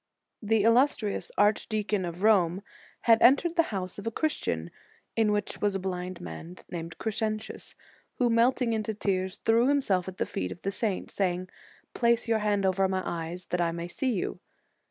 The illustrious archdeacon of Rome had entered the house of a Christian, in which was a blind man named Crescentius, who, melting into tears, threw himself at the feet of the saint, saying: "Place your hand over my eyes, that I may see you."